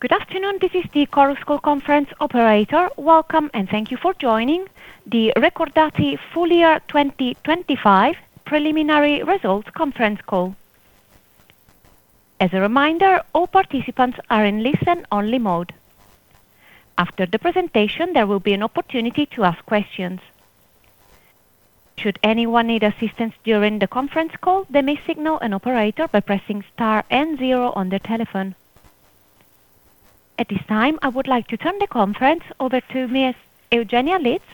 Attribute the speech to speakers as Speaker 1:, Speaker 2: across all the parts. Speaker 1: Good afternoon. This is the Chorus Call Conference operator. Welcome, and thank you for joining the Recordati Full Year 2025 Preliminary Results Conference Call. As a reminder, all participants are in listen-only mode. After the presentation, there will be an opportunity to ask questions. Should anyone need assistance during the conference call, they may signal an operator by pressing star and zero on their telephone. At this time, I would like to turn the conference over to Ms. Eugenia Litz,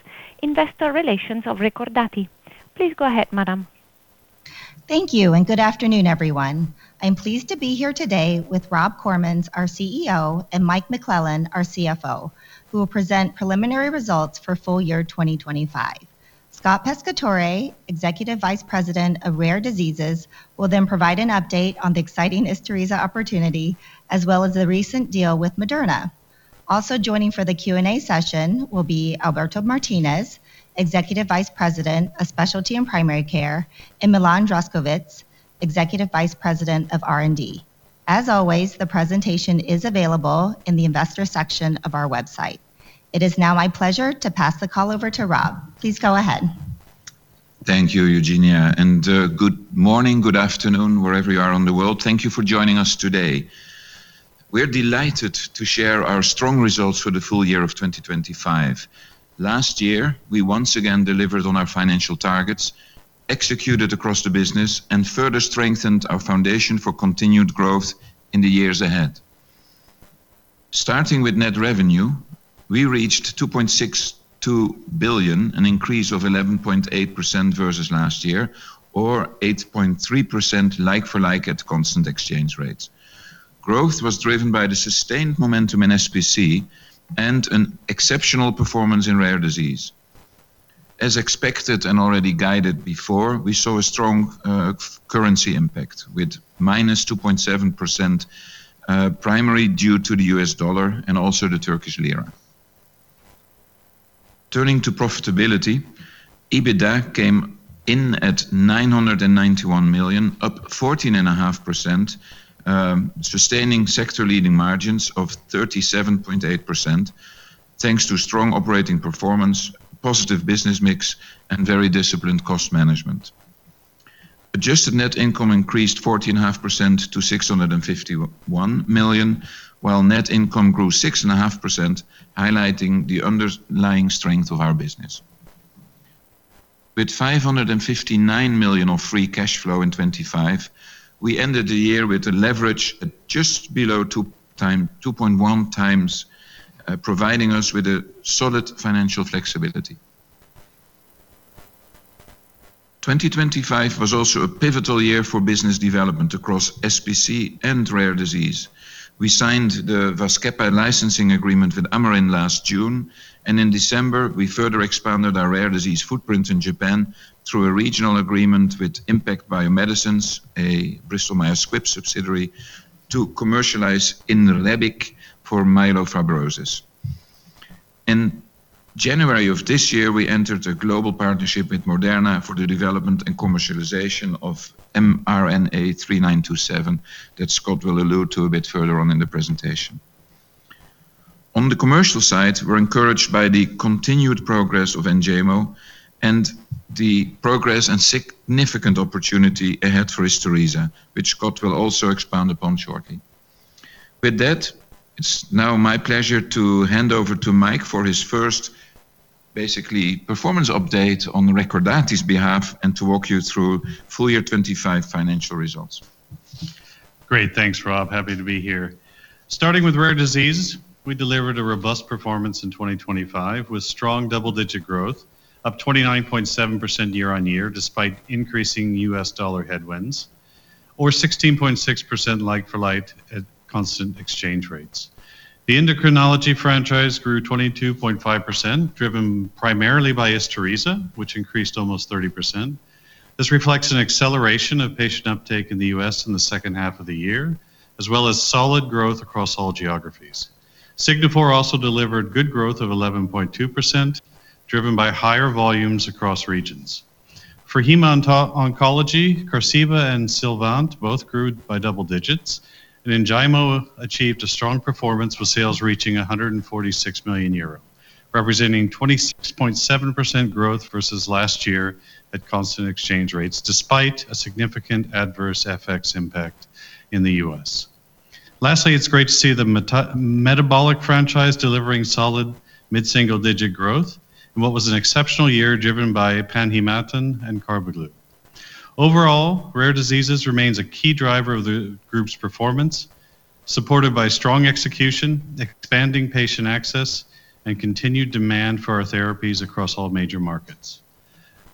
Speaker 1: Investor Relations of Recordati. Please go ahead, madam.
Speaker 2: Thank you, and good afternoon, everyone. I'm pleased to be here today with Rob Koremans, our CEO, and Mike McClellan, our CFO, who will present preliminary results for full year 2025. Scott Pescatore, Executive Vice President of Rare Diseases, will then provide an update on the exciting ISTURISA opportunity, as well as the recent deal with Moderna. Also joining for the Q&A session will be Alberto Martinez, Executive Vice President of Specialty and Primary Care, and Milan Zdravkovic, Executive Vice President of R&D. As always, the presentation is available in the investor section of our website. It is now my pleasure to pass the call over to Rob. Please go ahead.
Speaker 3: Thank you, Eugenia, and good morning, good afternoon, wherever you are in the world. Thank you for joining us today. We're delighted to share our strong results for the full year of 2025. Last year, we once again delivered on our financial targets, executed across the business, and further strengthened our foundation for continued growth in the years ahead. Starting with net revenue, we reached 2.62 billion, an increase of 11.8% versus last year, or 8.3% like-for-like at constant exchange rates. Growth was driven by the sustained momentum in SPC and an exceptional performance in rare disease. As expected and already guided before, we saw a strong currency impact with -2.7%, primarily due to the US dollar and also the Turkish lira. Turning to profitability, EBITDA came in at 991 million, up 14.5%, sustaining sector-leading margins of 37.8%, thanks to strong operating performance, positive business mix, and very disciplined cost management. Adjusted net income increased 14.5% to 651 million, while net income grew 6.5%, highlighting the underlying strength of our business. With 559 million of free cash flow in 2025, we ended the year with a leverage at just below 2.1 times, providing us with a solid financial flexibility. 2025 was also a pivotal year for business development across SPC and rare disease. We signed the VAZKEPA licensing agreement with Amarin last June, and in December, we further expanded our rare disease footprint in Japan through a regional agreement with Impact Biomedicines, a Bristol Myers Squibb subsidiary, to commercialize Inrebic for myelofibrosis. In January of this year, we entered a global partnership with Moderna for the development and commercialization of mRNA-3927, that Scott will allude to a bit further on in the presentation. On the commercial side, we're encouraged by the continued progress of Enjaymo and the progress and significant opportunity ahead for ISTURISA, which Scott will also expand upon shortly. With that, it's now my pleasure to hand over to Mike for his first basically performance update on Recordati's behalf and to walk you through full year 2025 financial results.
Speaker 4: Great. Thanks, Rob. Happy to be here. Starting with rare disease, we delivered a robust performance in 2025, with strong double-digit growth, up 29.7% year-on-year, despite increasing US dollar headwinds, or 16.6% like-for-like at constant exchange rates. The endocrinology franchise grew 22.5%, driven primarily by ISTURISA, which increased almost 30%. This reflects an acceleration of patient uptake in the US in the second half of the year, as well as solid growth across all geographies. Signifor also delivered good growth of 11.2%, driven by higher volumes across regions. For Hem-Oncology. Oncology, Qarziba and Sylvant both grew by double digits, and Enjaymo achieved a strong performance, with sales reaching 146 million euro, representing 26.7% growth versus last year at constant exchange rates, despite a significant adverse FX impact in the U.S. Lastly, it's great to see the metabolic franchise delivering solid mid-single-digit growth in what was an exceptional year, driven by Panhematin and Carbaglu. Overall, rare diseases remains a key driver of the group's performance, supported by strong execution, expanding patient access, and continued demand for our therapies across all major markets.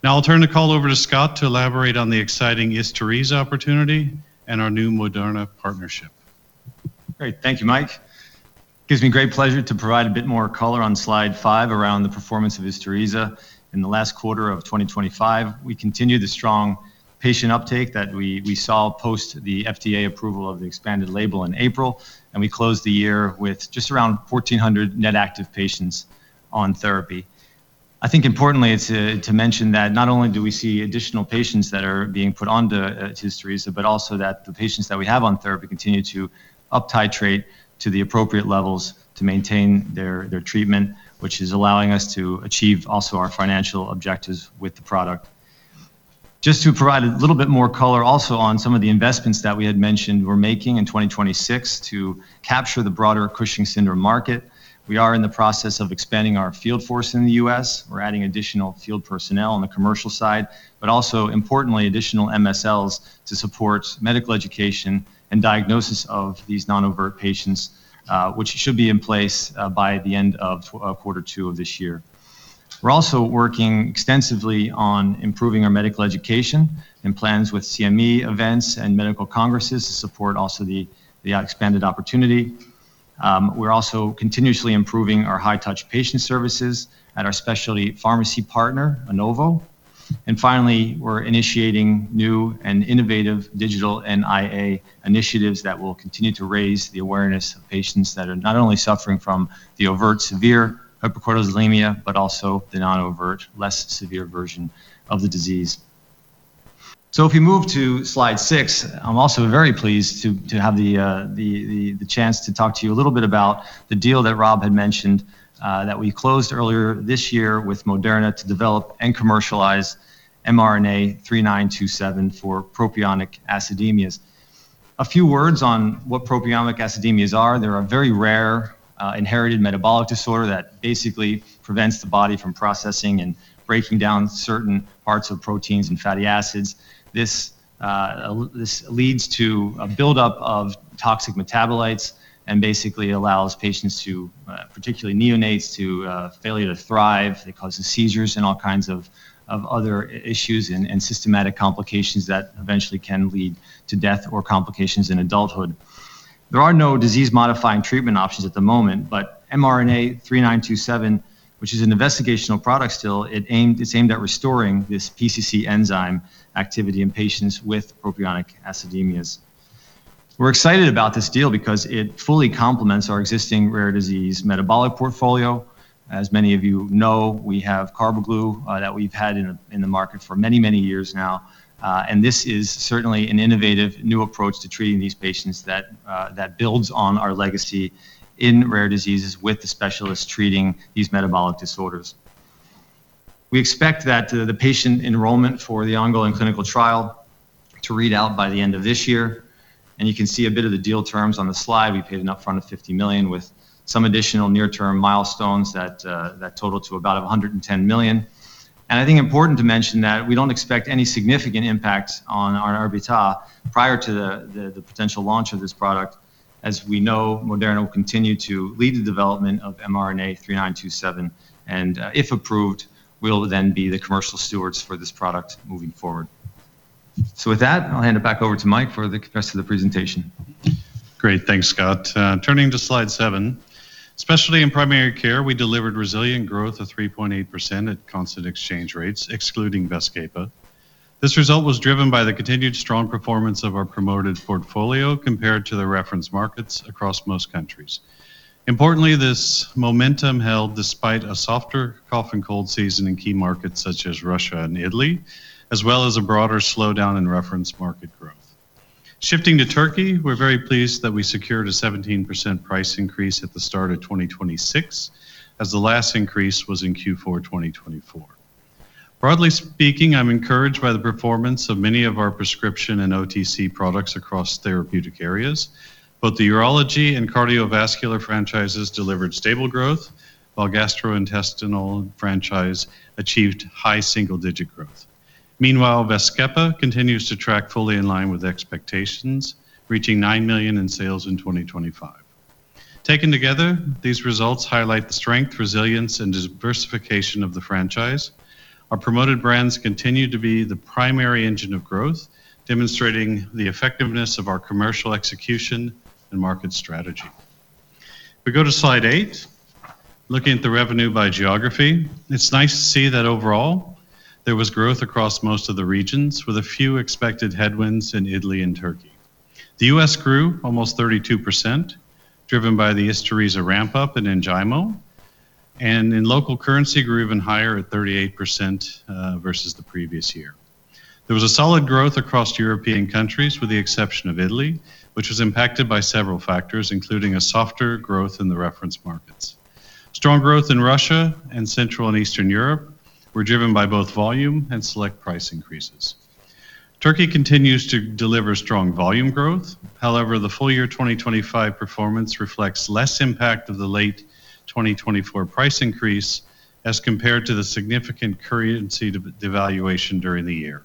Speaker 4: Now, I'll turn the call over to Scott to elaborate on the exciting ISTURISA opportunity and our new Moderna partnership.
Speaker 5: Great. Thank you, Mike. It gives me great pleasure to provide a bit more color on slide five around the performance of ISTURISA®. In the last quarter of 2025, we continued the strong patient uptake that we saw post the FDA approval of the expanded label in April, and we closed the year with just around 1,400 net active patients on therapy. I think importantly, it's to mention that not only do we see additional patients that are being put onto ISTURISA, but also that the patients that we have on therapy continue to up titrate to the appropriate levels to maintain their treatment, which is allowing us to achieve also our financial objectives with the product. Just to provide a little bit more color also on some of the investments that we had mentioned we're making in 2026 to capture the broader Cushing's syndrome market, we are in the process of expanding our field force in the U.S. We're adding additional field personnel on the commercial side, but also importantly, additional MSLs to support medical education and diagnosis of these non-overt patients, which should be in place by the end of quarter two of this year. We're also working extensively on improving our medical education and plans with CME events and medical congresses to support also the expanded opportunity. We're also continuously improving our high-touch patient services at our specialty pharmacy partner, Anovo. And finally, we're initiating new and innovative digital media initiatives that will continue to raise the awareness of patients that are not only suffering from the overt severe hypercortisolism, but also the non-overt, less severe version of the disease. So if we move to slide six, I'm also very pleased to have the chance to talk to you a little bit about the deal that Rob had mentioned, that we closed earlier this year with Moderna to develop and commercialize mRNA-3927 for propionic acidemias. A few words on what propionic acidemias are. They're a very rare inherited metabolic disorder that basically prevents the body from processing and breaking down certain parts of proteins and fatty acids. This leads to a buildup of toxic metabolites and basically allows patients to, particularly neonates, to failure to thrive. It causes seizures and all kinds of other issues and systemic complications that eventually can lead to death or complications in adulthood. There are no disease-modifying treatment options at the moment, but mRNA-3927, which is an investigational product still, it's aimed at restoring this PCC enzyme activity in patients with propionic acidemias. We're excited about this deal because it fully complements our existing rare disease metabolic portfolio. As many of you know, we have Carbaglu, that we've had in, in the market for many, many years now, and this is certainly an innovative new approach to treating these patients that, that builds on our legacy in rare diseases with the specialists treating these metabolic disorders. We expect that, the patient enrollment for the ongoing clinical trial to read out by the end of this year, and you can see a bit of the deal terms on the slide. We paid an upfront of 50 million, with some additional near-term milestones that, that total to about 110 million. And I think important to mention that we don't expect any significant impact on our EBITDA prior to the, the, the potential launch of this product. As we know, Moderna will continue to lead the development of mRNA-3927, and, if approved, we'll then be the commercial stewards for this product moving forward. With that, I'll hand it back over to Mike for the rest of the presentation.
Speaker 4: Great. Thanks, Scott. Turning to slide seven. Especially in primary care, we delivered resilient growth of 3.8% at constant exchange rates, excluding VAZKEPA. This result was driven by the continued strong performance of our promoted portfolio compared to the reference markets across most countries. Importantly, this momentum held despite a softer cough and cold season in key markets such as Russia and Italy, as well as a broader slowdown in reference market growth. Shifting to Turkey, we're very pleased that we secured a 17% price increase at the start of 2026, as the last increase was in Q4 2024. Broadly speaking, I'm encouraged by the performance of many of our prescription and OTC products across therapeutic areas. Both the urology and cardiovascular franchises delivered stable growth, while gastrointestinal franchise achieved high single-digit growth. Meanwhile, VAZKEPA continues to track fully in line with expectations, reaching 9 million in sales in 2025. Taken together, these results highlight the strength, resilience, and diversification of the franchise. Our promoted brands continue to be the primary engine of growth, demonstrating the effectiveness of our commercial execution and market strategy. If we go to slide eight, looking at the revenue by geography, it's nice to see that overall, there was growth across most of the regions, with a few expected headwinds in Italy and Turkey. The US grew almost 32%, driven by the ISTURISA ramp-up in Enjaymo, and in local currency, grew even higher at 38% versus the previous year. There was a solid growth across European countries, with the exception of Italy, which was impacted by several factors, including a softer growth in the reference markets. Strong growth in Russia and Central and Eastern Europe were driven by both volume and select price increases. Turkey continues to deliver strong volume growth. However, the full year 2025 performance reflects less impact of the late 2024 price increase as compared to the significant currency devaluation during the year.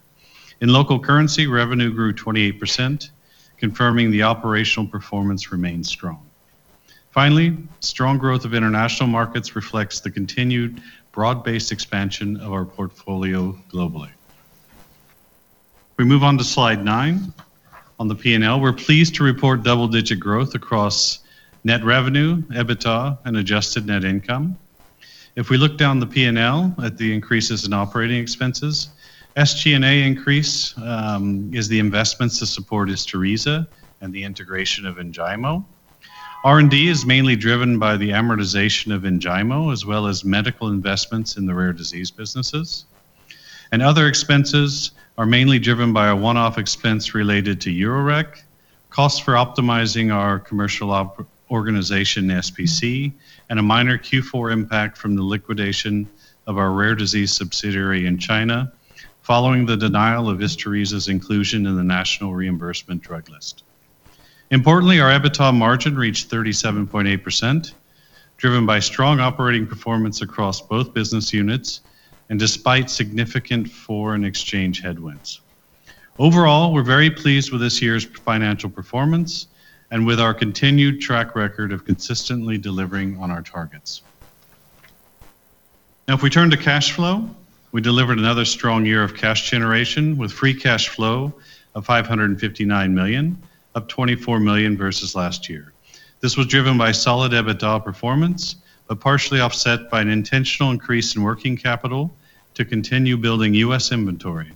Speaker 4: In local currency, revenue grew 28%, confirming the operational performance remains strong. Finally, strong growth of international markets reflects the continued broad-based expansion of our portfolio globally. We move on to slide nine. On the P&L, we're pleased to report double-digit growth across net revenue, EBITDA, and adjusted net income. If we look down the P&L at the increases in operating expenses, SG&A increase is the investments to support ISTURISA and the integration of Enjaymo. R&D is mainly driven by the amortization of Enjaymo, as well as medical investments in the rare disease businesses. Other expenses are mainly driven by a one-off expense related to Urorec, costs for optimizing our commercial operations organization SPC, and a minor Q4 impact from the liquidation of our rare disease subsidiary in China, following the denial of ISTURISA's inclusion in the National Reimbursement Drug List. Importantly, our EBITDA margin reached 37.8%, driven by strong operating performance across both business units and despite significant foreign exchange headwinds. Overall, we're very pleased with this year's financial performance and with our continued track record of consistently delivering on our targets. Now, if we turn to cash flow, we delivered another strong year of cash generation, with free cash flow of 559 million, up 24 million versus last year. This was driven by solid EBITDA performance, but partially offset by an intentional increase in working capital to continue building US inventory.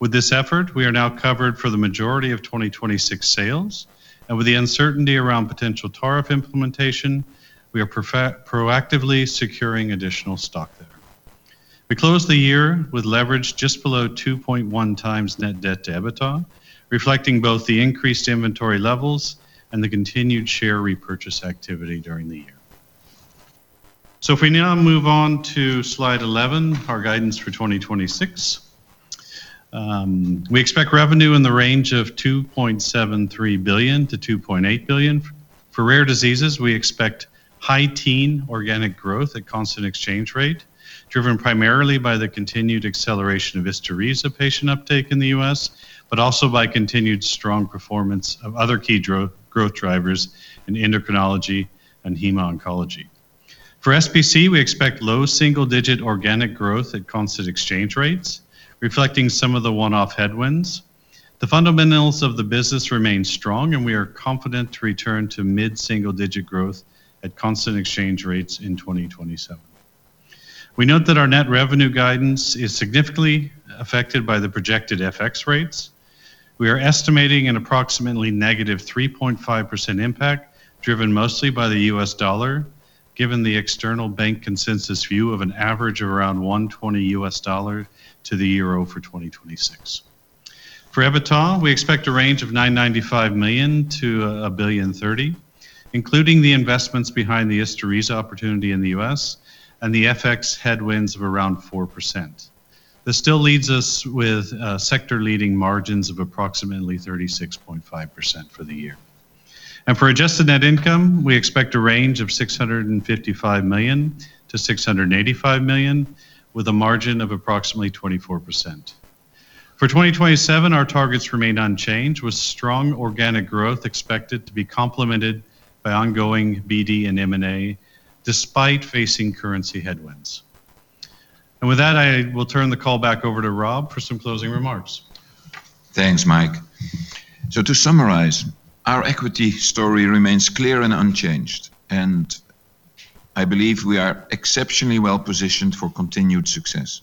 Speaker 4: With this effort, we are now covered for the majority of 2026 sales, and with the uncertainty around potential tariff implementation, we are proactively securing additional stock there. We closed the year with leverage just below 2.1x net debt to EBITDA, reflecting both the increased inventory levels and the continued share repurchase activity during the year. So if we now move on to slide 11, our guidance for 2026. We expect revenue in the range of 2.73 billion-2.8 billion. For rare diseases, we expect high-teens organic growth at constant exchange rate, driven primarily by the continued acceleration of ISTURISA patient uptake in the U.S., but also by continued strong performance of other key growth drivers in endocrinology and hem-oncology. For SPC, we expect low single-digit organic growth at constant exchange rates, reflecting some of the one-off headwinds. The fundamentals of the business remain strong, and we are confident to return to mid-single-digit growth at constant exchange rates in 2027. We note that our net revenue guidance is significantly affected by the projected FX rates. We are estimating an approximately -3.5% impact, driven mostly by the US dollar, given the external bank consensus view of an average of around 1.20 US dollar to the euro for 2026. For EBITDA, we expect a range of 995 million-1,030 million, including the investments behind the ISTURISA opportunity in the US and the FX headwinds of around 4%. This still leaves us with sector-leading margins of approximately 36.5% for the year. For adjusted net income, we expect a range of 655 million-685 million, with a margin of approximately 24%. For 2027, our targets remain unchanged, with strong organic growth expected to be complemented by ongoing BD and M&A, despite facing currency headwinds. With that, I will turn the call back over to Rob for some closing remarks.
Speaker 3: Thanks, Mike. So to summarize, our equity story remains clear and unchanged, and I believe we are exceptionally well positioned for continued success.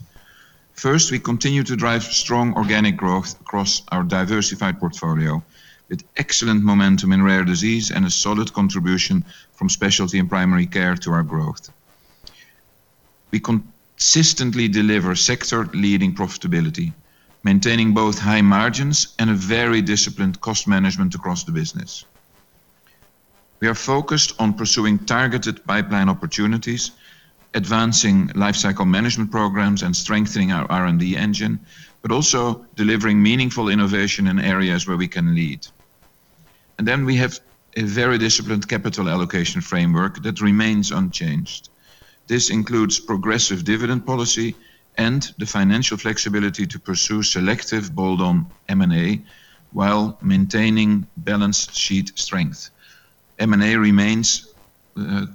Speaker 3: First, we continue to drive strong organic growth across our diversified portfolio, with excellent momentum in rare disease and a solid contribution from specialty and primary care to our growth. We consistently deliver sector-leading profitability, maintaining both high margins and a very disciplined cost management across the business. We are focused on pursuing targeted pipeline opportunities, advancing lifecycle management programs, and strengthening our R&D engine, but also delivering meaningful innovation in areas where we can lead. And then we have a very disciplined capital allocation framework that remains unchanged. This includes progressive dividend policy and the financial flexibility to pursue selective bolt-on M&A while maintaining balance sheet strength. M&A remains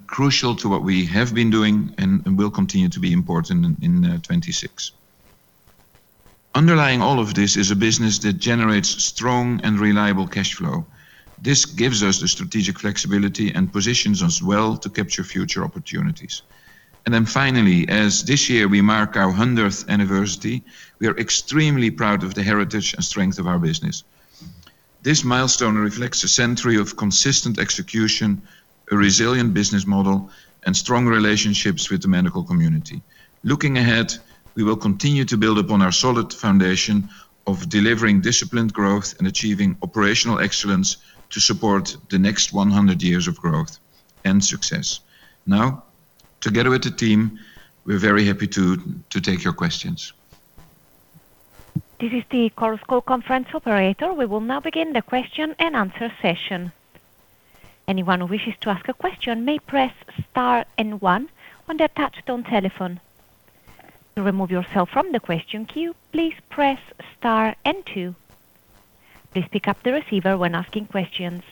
Speaker 3: crucial to what we have been doing and will continue to be important in 2026. Underlying all of this is a business that generates strong and reliable cash flow. This gives us the strategic flexibility and positions us well to capture future opportunities. Then finally, as this year we mark our hundredth anniversary, we are extremely proud of the heritage and strength of our business. This milestone reflects a century of consistent execution, a resilient business model, and strong relationships with the medical community. Looking ahead, we will continue to build upon our solid foundation of delivering disciplined growth and achieving operational excellence to support the next 100 years of growth and success. Now, together with the team, we're very happy to take your questions.
Speaker 1: This is the Chorus Call conference operator. We will now begin the question and answer session. Anyone who wishes to ask a question may press star and one on their touchtone telephone. To remove yourself from the question queue, please press star and two. Please pick up the receiver when asking questions.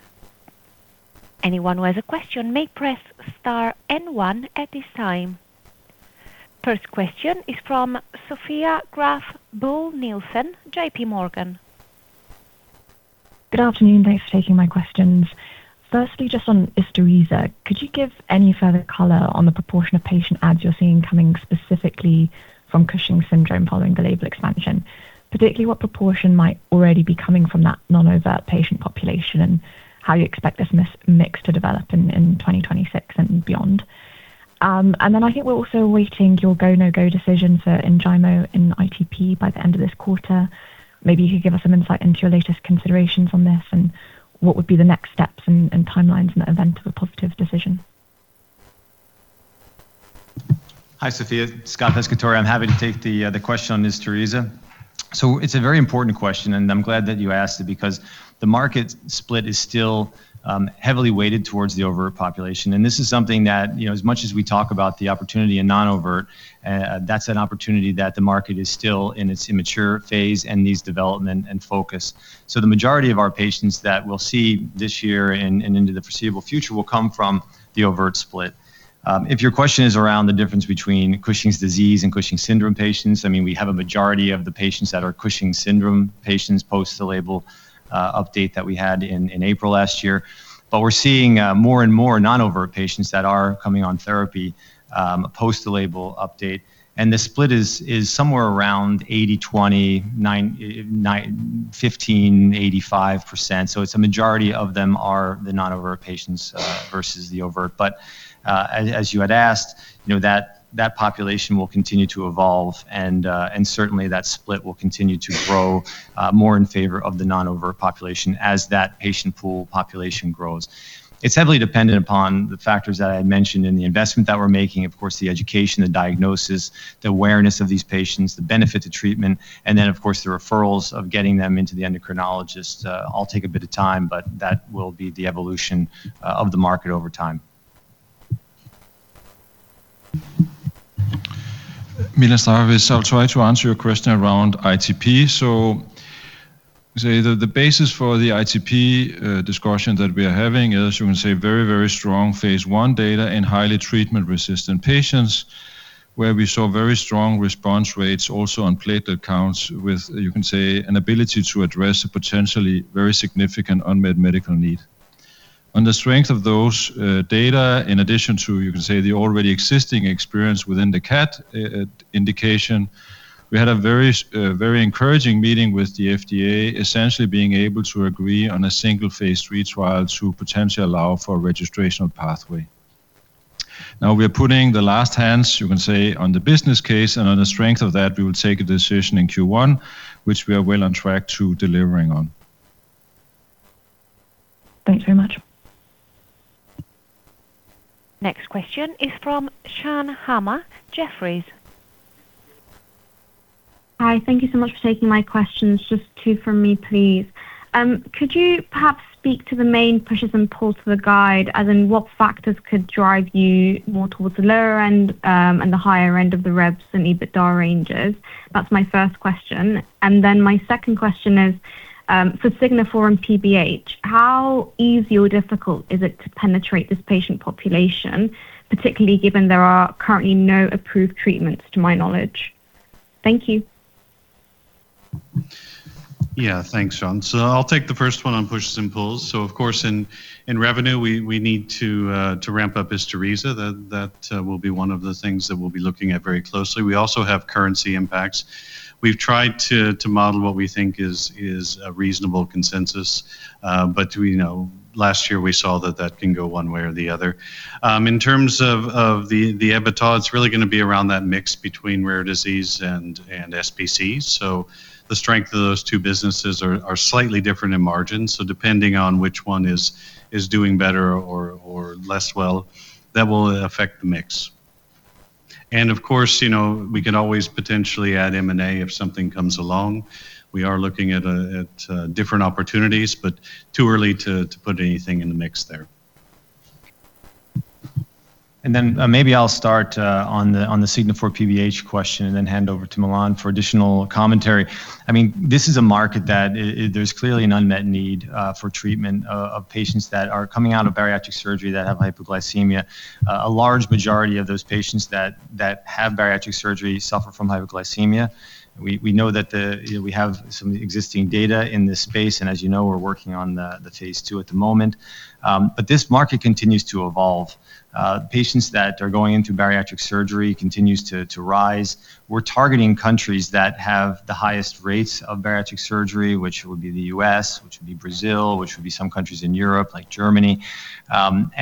Speaker 1: Anyone who has a question may press star and one at this time. First question is from Sophia Graf Bull Nielsen, JPMorgan.
Speaker 6: Good afternoon. Thanks for taking my questions. Firstly, just on ISTURISA, could you give any further color on the proportion of patient adds you're seeing coming specifically from Cushing's syndrome following the label expansion? Particularly, what proportion might already be coming from that non-overt patient population, and how you expect this mix to develop in 2026 and beyond? And then I think we're also awaiting your go, no-go decision for Enjaymo in ITP by the end of this quarter. Maybe you could give us some insight into your latest considerations on this, and what would be the next steps and timelines in the event of a positive decision?
Speaker 5: Hi, Sophia. Scott Pescatore. I'm happy to take the question on ISTURISA. So it's a very important question, and I'm glad that you asked it because the market split is still heavily weighted towards the overt population. And this is something that, you know, as much as we talk about the opportunity in non-overt, that's an opportunity that the market is still in its immature phase and needs development and focus. So the majority of our patients that we'll see this year and into the foreseeable future will come from the overt split. If your question is around the difference between Cushing's disease and Cushing's syndrome patients, I mean, we have a majority of the patients that are Cushing's syndrome patients post the label update that we had in April last year. We're seeing more and more non-overt patients that are coming on therapy post the label update, and the split is somewhere around 80/20, nine, 9-15, 85%. So it's a majority of them are the non-overt patients versus the overt. As you had asked, you know, that population will continue to evolve, and certainly that split will continue to grow more in favor of the non-overt population as that patient pool population grows. It's heavily dependent upon the factors that I had mentioned and the investment that we're making, of course, the education, the diagnosis, the awareness of these patients, the benefit to treatment, and then, of course, the referrals of getting them into the endocrinologist. All take a bit of time, but that will be the evolution of the market over time.
Speaker 7: Milan Zdravkovic. I'll try to answer your question around ITP. So, say, the basis for the ITP discussion that we are having is, you can say, very, very strong phase I data in highly treatment-resistant patients, where we saw very strong response rates also on platelet counts with, you can say, an ability to address a potentially very significant unmet medical need. On the strength of those data, in addition to, you can say, the already existing experience within the CAD indication, we had a very encouraging meeting with the FDA, essentially being able to agree on a single phase III trial to potentially allow for a registrational pathway. Now we're putting the last touches, you can say, on the business case, and on the strength of that, we will take a decision in Q1, which we are well on track to delivering on.
Speaker 6: Thanks very much.
Speaker 1: Next question is from Sian Hamer, Jefferies.
Speaker 8: Hi, thank you so much for taking my questions. Just two from me, please. Could you perhaps speak to the main pushes and pulls of the guide, as in what factors could drive you more towards the lower end, and the higher end of the revs and EBITDA ranges? That's my first question. My second question is, for Signifor and PBH, how easy or difficult is it to penetrate this patient population, particularly given there are currently no approved treatments to my knowledge? Thank you.
Speaker 4: Yeah, thanks, Sian. So I'll take the first one on pushes and pulls. So of course, in revenue, we need to ramp up ISTURISA. That will be one of the things that we'll be looking at very closely. We also have currency impacts. We've tried to model what we think is a reasonable consensus, but we know last year we saw that that can go one way or the other. In terms of the EBITDA, it's really gonna be around that mix between rare disease and SPC. So the strength of those two businesses are slightly different in margins, so depending on which one is doing better or less well, that will affect the mix. And of course, you know, we can always potentially add M&A if something comes along. We are looking at different opportunities, but too early to put anything in the mix there.
Speaker 5: And then, maybe I'll start on the Signifor PBH question and then hand over to Milan for additional commentary. I mean, this is a market that there's clearly an unmet need for treatment of patients that are coming out of bariatric surgery that have hypoglycemia. A large majority of those patients that have bariatric surgery suffer from hypoglycemia. We know that you know, we have some existing data in this space, and as you know, we're working on the phase II at the moment. But this market continues to evolve. Patients that are going into bariatric surgery continues to rise. We're targeting countries that have the highest rates of bariatric surgery, which would be the U.S., which would be Brazil, which would be some countries in Europe, like Germany.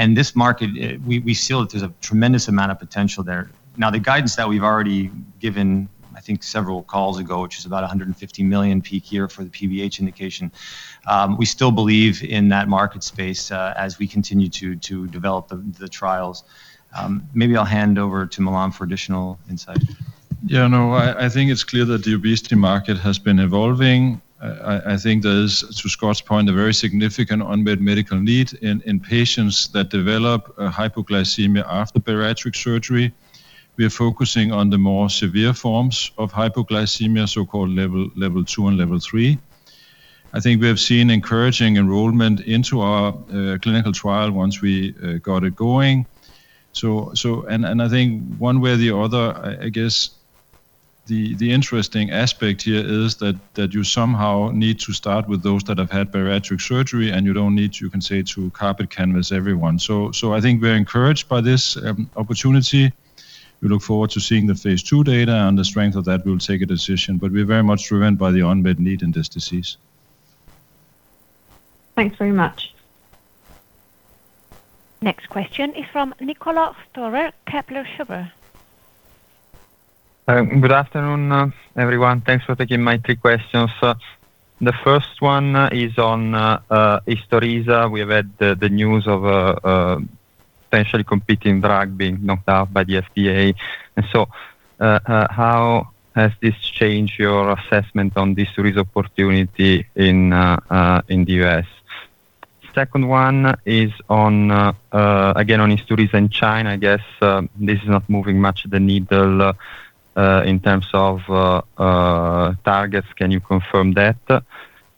Speaker 5: This market, we see that there's a tremendous amount of potential there. Now, the guidance that we've already given, I think several calls ago, which is about 150 million peak year for the PBH indication, we still believe in that market space, as we continue to develop the trials. Maybe I'll hand over to Milan for additional insight.
Speaker 7: Yeah, no, I think it's clear that the obesity market has been evolving. I think there's, to Scott's point, a very significant unmet medical need in patients that develop hypoglycemia after bariatric surgery. We are focusing on the more severe forms of hypoglycemia, so-called level two and level three. I think we have seen encouraging enrollment into our clinical trial once we got it going. So, and I think one way or the other, I guess the interesting aspect here is that you somehow need to start with those that have had bariatric surgery, and you don't need, you can say, to carpet-canvas everyone. So I think we're encouraged by this opportunity. We look forward to seeing the phase II data, and the strength of that, we'll take a decision, but we're very much driven by the unmet need in this disease.
Speaker 8: Thanks very much.
Speaker 1: Next question is from Niccolò Storer, Kepler Cheuvreux.
Speaker 9: Good afternoon, everyone. Thanks for taking my three questions. The first one is on ISTURISA. We have had the news of potentially competing drug being knocked out by the FDA. So, how has this changed your assessment on this Cushing's opportunity in the US? Second one is on, again, on ISTURISA in China. I guess, this is not moving much the needle in terms of targets.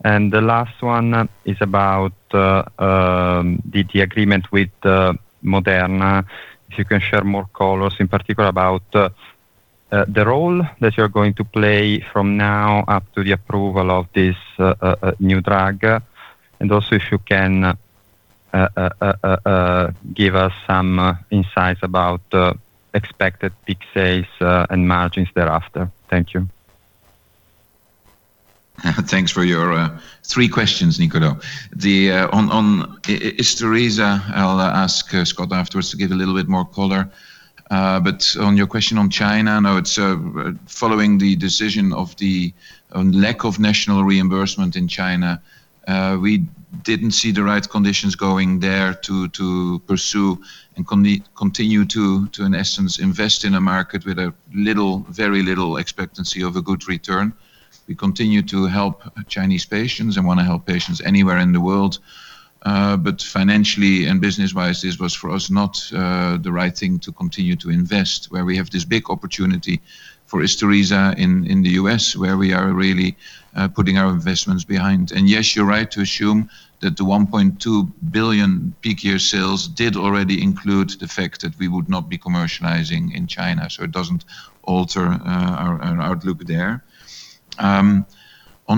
Speaker 9: And the last one is about the agreement with Moderna. If you can share more colors, in particular about the role that you're going to play from now up to the approval of this new drug. Also, if you can, give us some insights about the expected peak sales and margins thereafter. Thank you.
Speaker 3: Thanks for your three questions, Niccolò. On ISTURISA, I'll ask Scott afterwards to give a little bit more color. But on your question on China, no, it's following the decision on lack of national reimbursement in China, we didn't see the right conditions going there to pursue and continue to, in essence, invest in a market with a little, very little expectancy of a good return. We continue to help Chinese patients and wanna help patients anywhere in the world, but financially and business-wise, this was for us not the right thing to continue to invest where we have this big opportunity for ISTURISA in the U.S., where we are really putting our investments behind. Yes, you're right to assume that the 1.2 billion peak year sales did already include the fact that we would not be commercializing in China, so it doesn't alter our outlook there. On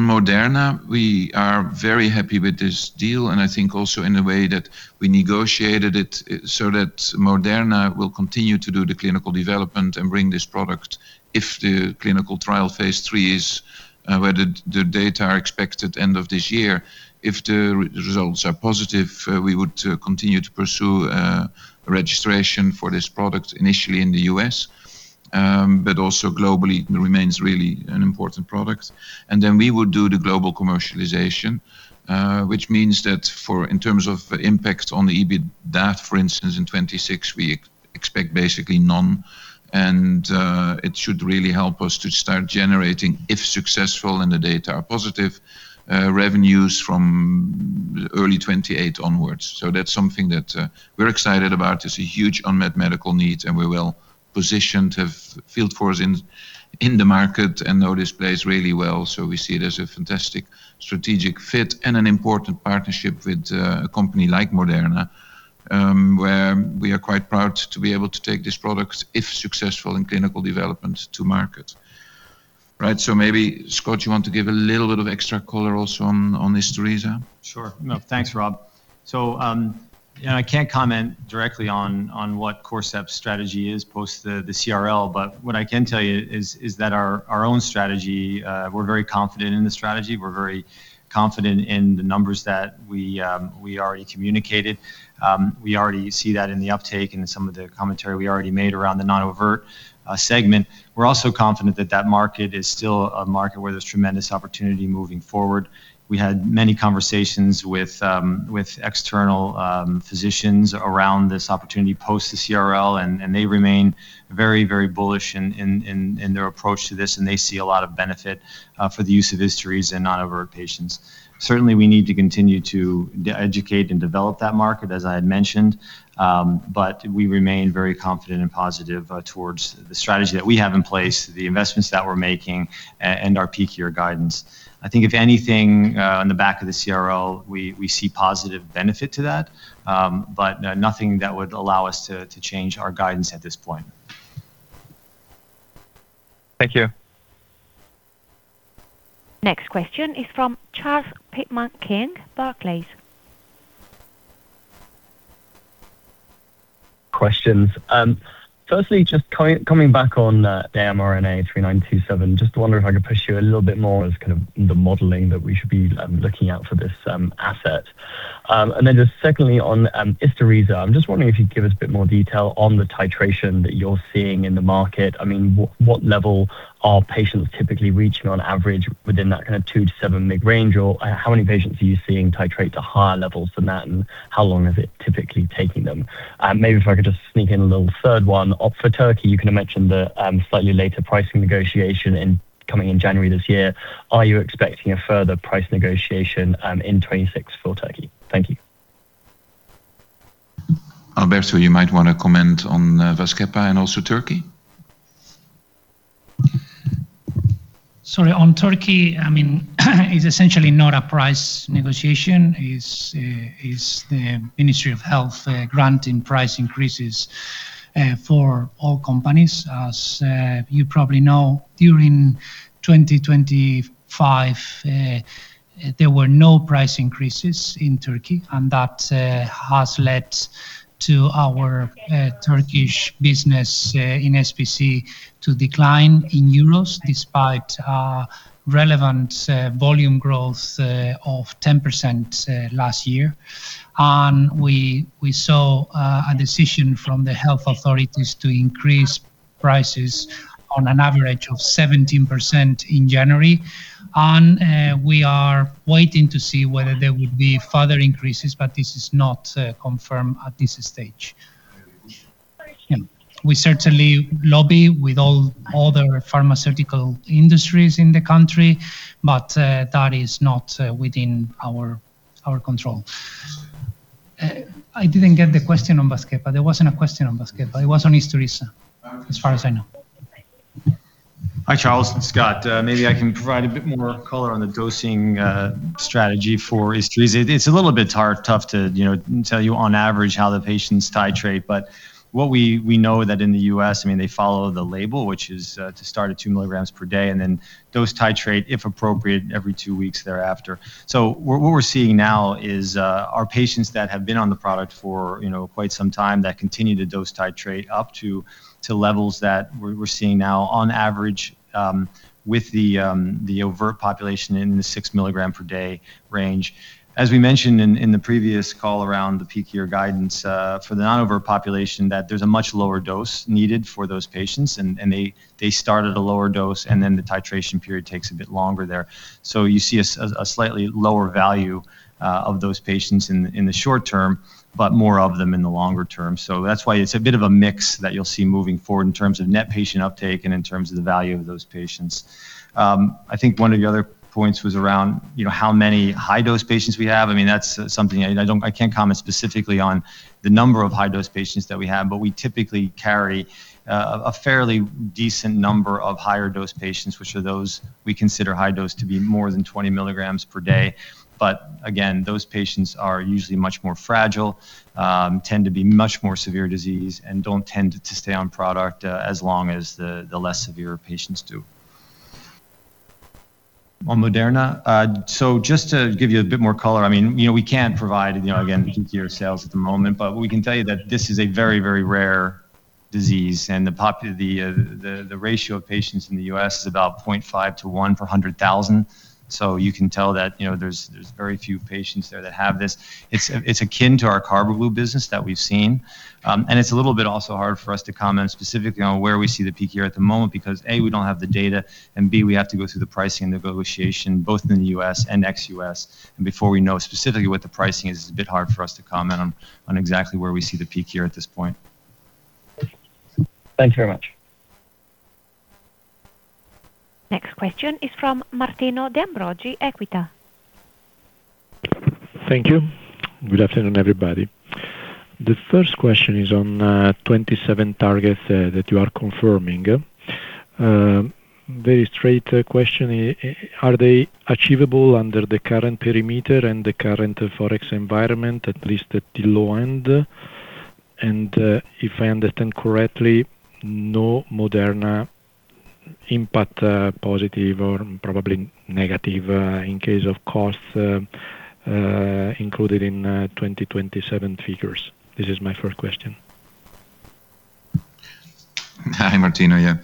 Speaker 3: Moderna, we are very happy with this deal, and I think also in a way that we negotiated it, so that Moderna will continue to do the clinical development and bring this product if the clinical trial phase III is where the data are expected end of this year. If the results are positive, we would continue to pursue registration for this product, initially in the U.S., but also globally, it remains really an important product. Then we would do the global commercialization, which means that for... in terms of impact on the EBITDA, for instance, in 2026, we expect basically none. And, it should really help us to start generating, if successful and the data are positive, revenues from early 2028 onwards. So that's something that, we're excited about, is a huge unmet medical needs, and we're well positioned to have field force in the market and know this place really well. So we see it as a fantastic strategic fit and an important partnership with a company like Moderna, where we are quite proud to be able to take this product, if successful in clinical development, to market. Right, so maybe, Scott, you want to give a little bit of extra color also on ISTURISA?
Speaker 5: Sure. No, thanks, Rob. So, and I can't comment directly on, on what Corcept's strategy is post the, the CRL, but what I can tell you is, is that our, our own strategy, we're very confident in the strategy, we're very confident in the numbers that we, we already communicated. We already see that in the uptake and in some of the commentary we already made around the non-overt, segment. We're also confident that that market is still a market where there's tremendous opportunity moving forward. We had many conversations with, with external, physicians around this opportunity post the CRL, and, and they remain very, very bullish in, in, in, in their approach to this, and they see a lot of benefit, for the use of ISTURISA in non-overt patients. Certainly, we need to continue to educate and develop that market, as I had mentioned, but we remain very confident and positive towards the strategy that we have in place, the investments that we're making, and our peak year guidance. I think, if anything, on the back of the CRL, we see positive benefit to that, but nothing that would allow us to change our guidance at this point.
Speaker 9: Thank you.
Speaker 1: Next question is from Charles Pitman-King, Barclays.
Speaker 10: Questions. Firstly, just coming back on the mRNA-3927, just wondering if I could push you a little bit more as kind of the modeling that we should be looking out for this asset. And then just secondly, on ISTURISA. I'm just wondering if you'd give us a bit more detail on the titration that you're seeing in the market. I mean, what level are patients typically reaching on average within that kind of 2-7 mg range, or how many patients are you seeing titrate to higher levels than that, and how long is it typically taking them? Maybe if I could just sneak in a little third one. Up for Turkey, you kind of mentioned the slightly later pricing negotiation coming in January this year. Are you expecting a further price negotiation in 2026 for Turkey? Thank you.
Speaker 3: Alberto, you might wanna comment on VASCEPA and also Turkey.
Speaker 11: Sorry. On Turkey, I mean, it's essentially not a price negotiation, it's the Ministry of Health granting price increases for all companies. As you probably know, during 2025, there were no price increases in Turkey, and that has led to our Turkish business in SPC to decline in EUR, despite relevant volume growth of 10% last year. And we saw a decision from the health authorities to increase prices on an average of 17% in January, and we are waiting to see whether there will be further increases, but this is not confirmed at this stage. We certainly lobby with all the pharmaceutical industries in the country, but that is not within our control. I didn't get the question on VAZKEPA, but there wasn't a question on VAZKEPA. It was on ISTURISA, as far as I know.
Speaker 5: Hi, Charles, it's Scott. Maybe I can provide a bit more color on the dosing strategy for ISTURISA. It's a little bit hard, tough to, you know, tell you on average how the patients titrate. But what we know that in the U.S., I mean, they follow the label, which is to start at 2 mg per day, and then dose titrate, if appropriate, every two weeks thereafter. So what we're seeing now is our patients that have been on the product for, you know, quite some time, that continue to dose titrate up to levels that we're seeing now on average with the adult population in the 6 mg per day range. As we mentioned in the previous call around the peak year guidance for the non-overt population, that there's a much lower dose needed for those patients, and they start at a lower dose, and then the titration period takes a bit longer there. So you see a slightly lower value of those patients in the short term, but more of them in the longer term. So that's why it's a bit of a mix that you'll see moving forward in terms of net patient uptake and in terms of the value of those patients. I think one of the other points was around, you know, how many high-dose patients we have. I mean, that's something I don't, I can't comment specifically on the number of high-dose patients that we have, but we typically carry a fairly decent number of higher dose patients, which are those we consider high dose to be more than 20 mg per day. But again, those patients are usually much more fragile, tend to be much more severe disease, and don't tend to stay on product as long as the less severe patients do. On Moderna, so just to give you a bit more color, I mean, you know, we can't provide, you know, again, your sales at the moment, but we can tell you that this is a very, very rare disease, and the ratio of patients in the U.S. is about 0.5-1 per 100,000. So you can tell that, you know, there's very few patients there that have this. It's akin to our Carbaglu business that we've seen. And it's a little bit also hard for us to comment specifically on where we see the peak year at the moment, because, A, we don't have the data, and B, we have to go through the pricing and the negotiation both in the U.S. and ex-U.S. And before we know specifically what the pricing is, it's a bit hard for us to comment on exactly where we see the peak year at this point.
Speaker 10: Thank you very much.
Speaker 1: Next question is from Martino De Ambrogi, Equita.
Speaker 12: Thank you. Good afternoon, everybody. The first question is on 27 targets that you are confirming. Very straight question, are they achievable under the current perimeter and the current Forex environment, at least at the low end? And, if I understand correctly, no Moderna impact, positive or probably negative, in case of costs, included in 2027 figures. This is my first question.
Speaker 3: Hi, Martino. Yeah.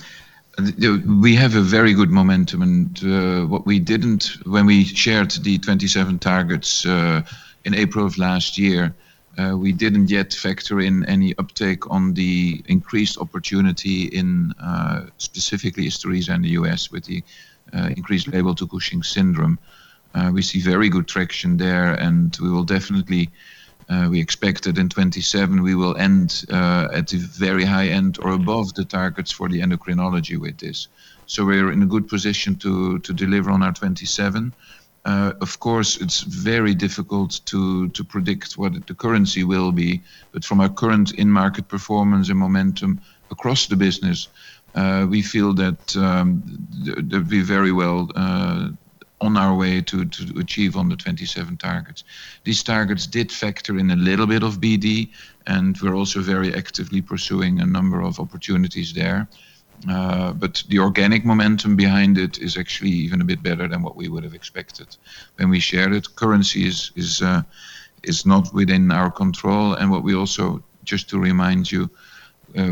Speaker 3: We have a very good momentum and, what we didn't when we shared the 2027 targets, in April of last year, we didn't yet factor in any uptake on the increased opportunity in, specifically ISTURISA in the US with the, increased label to Cushing's syndrome. We see very good traction there, and we will definitely, we expect that in 2027, we will end, at a very high end or above the targets for the endocrinology with this. So we're in a good position to deliver on our 2027. Of course, it's very difficult to predict what the currency will be, but from our current in-market performance and momentum across the business, we feel that, we're very well, on our way to achieve on the 2027 targets. These targets did factor in a little bit of BD, and we're also very actively pursuing a number of opportunities there. But the organic momentum behind it is actually even a bit better than what we would have expected when we shared it. Currency is not within our control, and what we also just to remind you,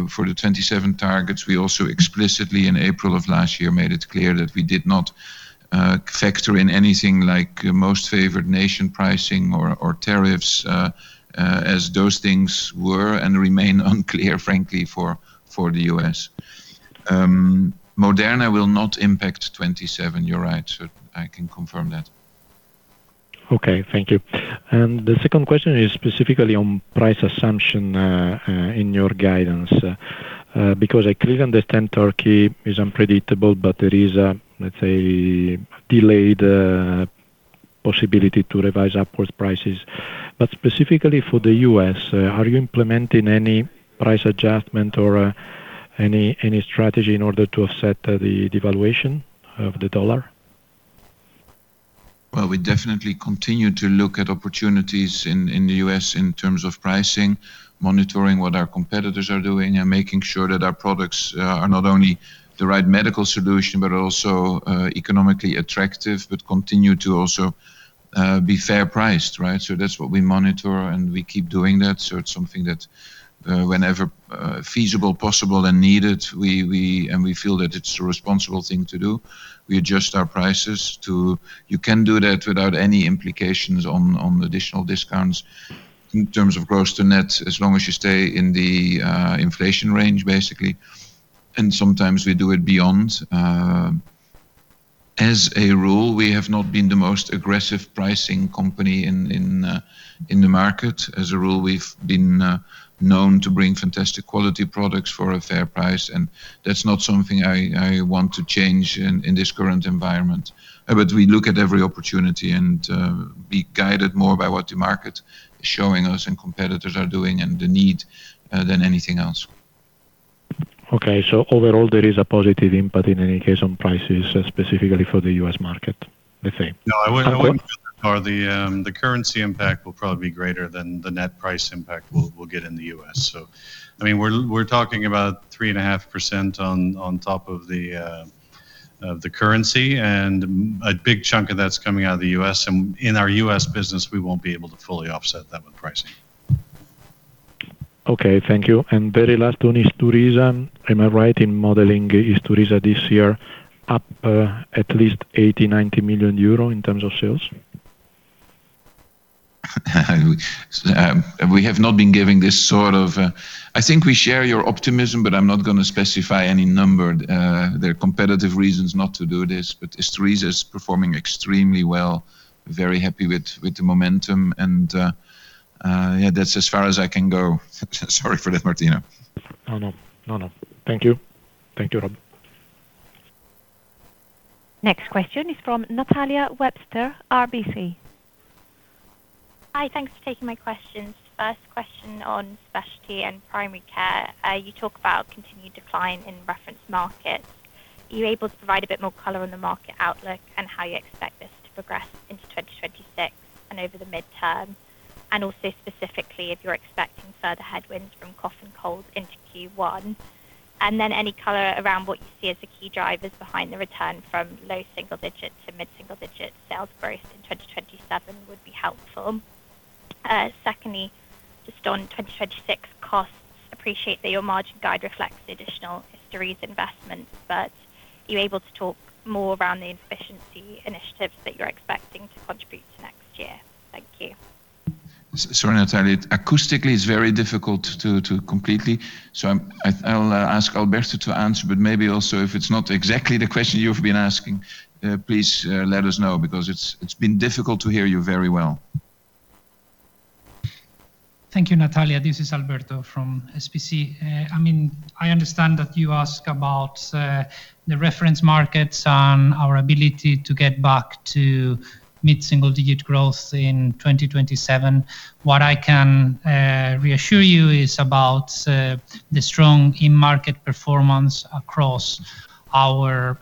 Speaker 3: for the 27 targets, we also explicitly in April of last year made it clear that we did not factor in anything like most favored nation pricing or tariffs as those things were and remain unclear, frankly, for the U.S. Moderna will not impact 27. You're right. So I can confirm that.
Speaker 12: Okay. Thank you. And the second question is specifically on price assumption in your guidance, because I clearly understand Turkey is unpredictable, but there is a, let's say, delayed possibility to revise upwards prices. But specifically for the US, are you implementing any price adjustment or any strategy in order to offset the devaluation of the dollar?
Speaker 3: Well, we definitely continue to look at opportunities in the U.S. in terms of pricing, monitoring what our competitors are doing, and making sure that our products are not only the right medical solution, but are also economically attractive, but continue to also be fair priced, right? So that's what we monitor, and we keep doing that. So it's something that whenever feasible, possible, and needed, and we feel that it's the responsible thing to do, we adjust our prices to you can do that without any implications on additional discounts in terms of gross to net, as long as you stay in the inflation range, basically. And sometimes we do it beyond as a rule, we have not been the most aggressive pricing company in the market. As a rule, we've been known to bring fantastic quality products for a fair price, and that's not something I want to change in this current environment. But we look at every opportunity and be guided more by what the market is showing us and competitors are doing and the need than anything else.
Speaker 12: Okay. Overall, there is a positive input in any case on prices, specifically for the U.S. market, I think?
Speaker 4: No, I would or the currency impact will probably be greater than the net price impact we'll get in the US. So I mean, we're talking about 3.5% on top of the currency, and a big chunk of that's coming out of the US, and in our US business, we won't be able to fully offset that with pricing.
Speaker 12: Okay, thank you. And very last one, ISTURISA. Am I right in modeling ISTURISA this year up at least 80 million-90 million euro in terms of sales?
Speaker 3: We have not been giving this sort of. I think we share your optimism, but I'm not gonna specify any number. There are competitive reasons not to do this, but Historeza is performing extremely well. Very happy with the momentum and yeah, that's as far as I can go. Sorry for that, Martino.
Speaker 12: Oh, no. No, no. Thank you. Thank you, Rob.
Speaker 1: Next question is from Natalia Webster, RBC.
Speaker 13: Hi, thanks for taking my questions. First question on specialty and primary care. You talk about continued decline in reference markets. Are you able to provide a bit more color on the market outlook and how you expect this to progress into 2026 and over the midterm? And also specifically, if you're expecting further headwinds from cough and cold into Q1. And then any color around what you see as the key drivers behind the return from low single-digit to mid-single-digit sales growth in 2027 would be helpful. Secondly, just on 2026 costs, appreciate that your margin guide reflects the additional Historeza investments, but are you able to talk more around the efficiency initiatives that you're expecting to contribute to next year? Thank you.
Speaker 3: Sorry, Natalia. Acoustically, it's very difficult to completely. So I'll ask Alberto to answer, but maybe also if it's not exactly the question you've been asking, please let us know because it's been difficult to hear you very well.
Speaker 11: Thank you, Natalia. This is Alberto from SPC. I mean, I understand that you ask about the reference markets and our ability to get back to mid-single digit growth in 2027. What I can reassure you is about the strong in-market performance across our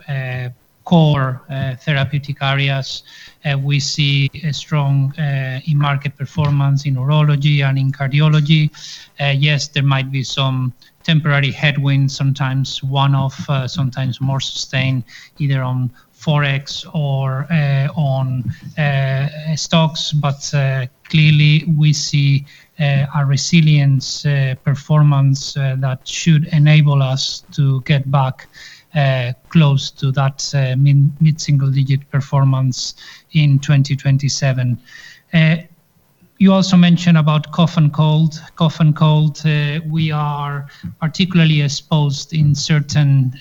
Speaker 11: core therapeutic areas. We see a strong in-market performance in neurology and in cardiology. Yes, there might be some temporary headwinds, sometimes one-off, sometimes more sustained, either on FX or on stocks, but clearly we see our resilience performance that should enable us to get back close to that mid mid-single digit performance in 2027. You also mentioned about cough and cold. Cough and cold, we are particularly exposed in certain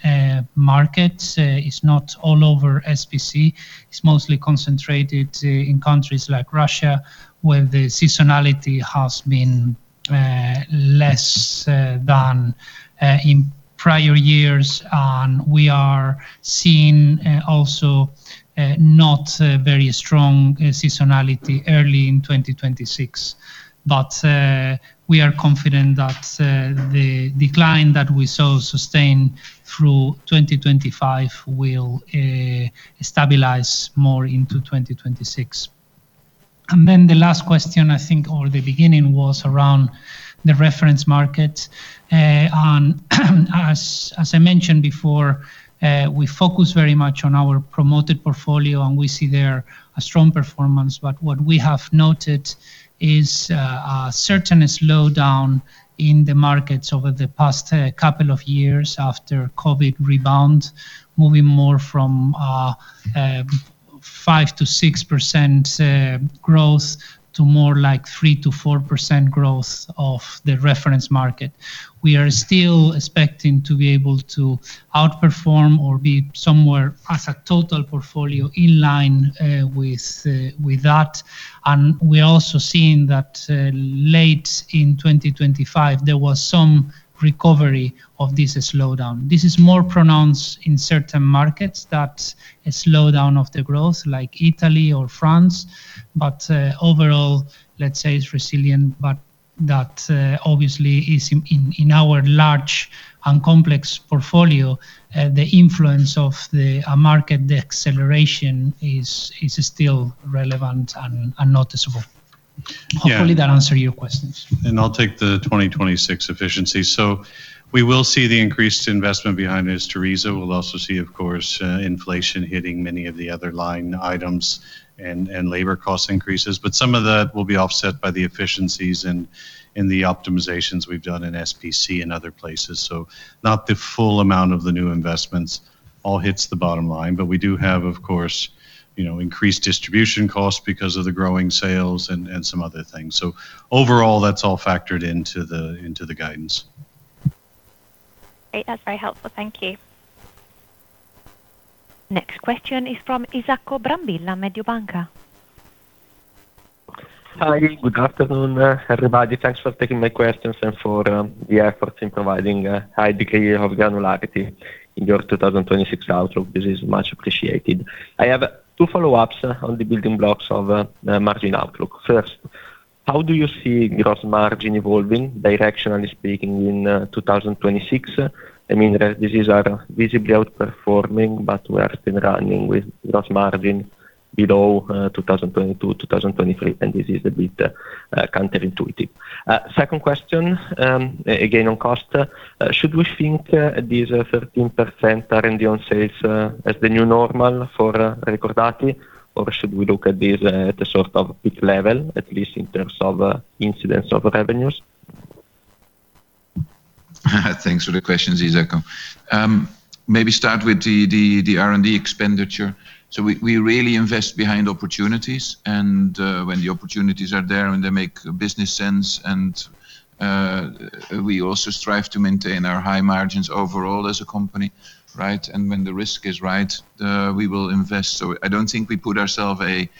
Speaker 11: markets. It's not all over SPC, it's mostly concentrated in countries like Russia, where the seasonality has been less than in prior years. And we are seeing also not a very strong seasonality early in 2026. But we are confident that the decline that we saw sustained through 2025 will Hopefully, that answer your questions.
Speaker 4: I'll take the 2026 efficiency. So we will see the increased investment behind ISTURISA. We'll also see, of course, inflation hitting many of the other line items and, and labor cost increases. But some of that will be offset by the efficiencies and, and the optimizations we've done in SBC and other places. So not the full amount of the new investments all hits the bottom line, but we do have, of course, you know, increased distribution costs because of the growing sales and, and some other things. So overall, that's all factored into the, into the guidance.
Speaker 13: Great. That's very helpful. Thank you.
Speaker 1: Next question is from Isacco Brambilla, Mediobanca.
Speaker 14: Hi, good afternoon, everybody. Thanks for taking my questions and for the efforts in providing a high degree of granularity in your 2026 outlook. This is much appreciated. I have two follow-ups on the building blocks of the margin outlook. First, how do you see gross margin evolving, directionally speaking, in 2026? I mean, these are visibly outperforming, but we are still running with gross margin below 2022, 2023, and this is a bit counterintuitive. Second question, again, on cost. Should we think these 13% R&D on sales as the new normal for Recordati, or should we look at this at the sort of peak level, at least in terms of incidents of revenues?
Speaker 3: Thanks for the questions, Isacco. Maybe start with the R&D expenditure. So we really invest behind opportunities and when the opportunities are there, and they make business sense, and we also strive to maintain our high margins overall as a company, right? And when the risk is right, we will invest. So I don't think we put ourself a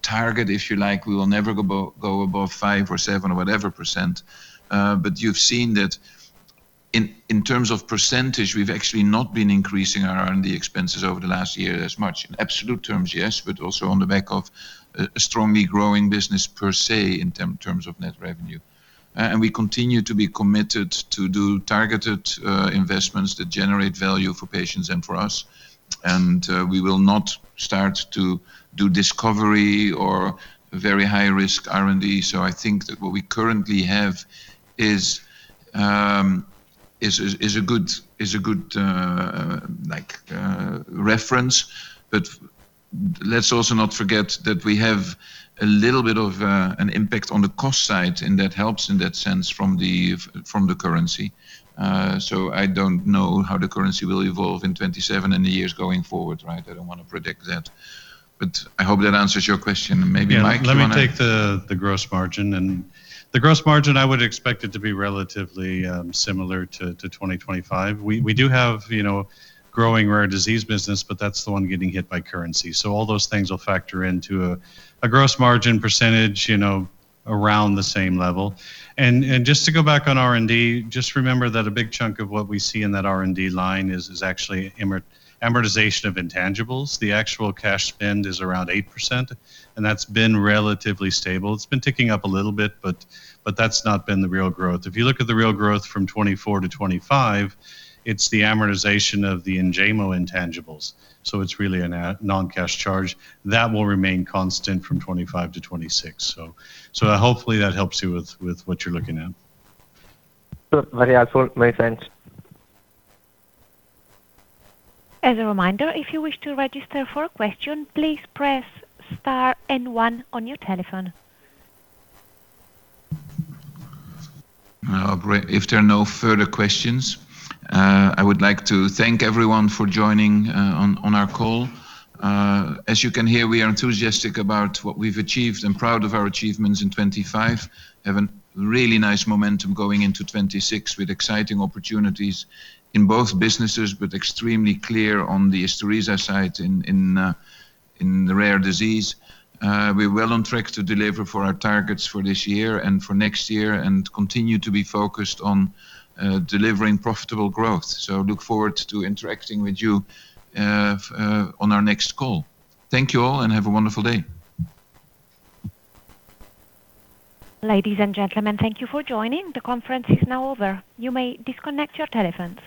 Speaker 3: target, if you like. We will never go above five or seven or whatever percent. But you've seen that in terms of percentage, we've actually not been increasing our R&D expenses over the last year as much. In absolute terms, yes, but also on the back of a strongly growing business per se, in terms of net revenue. We continue to be committed to do targeted investments that generate value for patients and for us, and we will not start to do discovery or very high-risk R&D. I think that what we currently have is a good like reference. But let's also not forget that we have a little bit of an impact on the cost side, and that helps in that sense from the currency. I don't know how the currency will evolve in 2027 and the years going forward, right? I don't wanna predict that. But I hope that answers your question. Maybe, Mike, do you wanna
Speaker 4: Let me take the gross margin. The gross margin, I would expect it to be relatively similar to 2025. We do have, you know, growing rare disease business, but that's the one getting hit by currency. So all those things will factor into a gross margin percentage, you know, around the same level. Just to go back on R&D, just remember that a big chunk of what we see in that R&D line is actually amortization of intangibles. The actual cash spend is around 8%, and that's been relatively stable. It's been ticking up a little bit, but that's not been the real growth. If you look at the real growth from 2024 to 2025, it's the amortization of the Enjaymo intangibles, so it's really a non-cash charge. That will remain constant from 2025 to 2026. So, hopefully that helps you with what you're looking at.
Speaker 14: Good. Very helpful. Many thanks.
Speaker 1: As a reminder, if you wish to register for a question, please press star and one on your telephone.
Speaker 3: Great. If there are no further questions, I would like to thank everyone for joining on our call. As you can hear, we are enthusiastic about what we've achieved and proud of our achievements in 2025. Have a really nice momentum going into 2026 with exciting opportunities in both businesses, but extremely clear on the SPC area side in the Rare Diseases. We're well on track to deliver for our targets for this year and for next year, and continue to be focused on delivering profitable growth. Look forward to interacting with you on our next call. Thank you all, and have a wonderful day.
Speaker 1: Ladies and gentlemen, thank you for joining. The conference is now over. You may disconnect your telephones.